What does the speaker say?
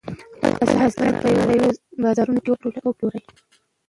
خپل حاصلات په نړیوالو بازارونو کې وپلورئ.